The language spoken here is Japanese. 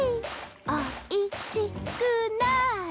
お・い・し・くなれ！